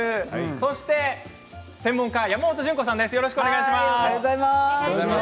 そして専門家、山本純子さんです。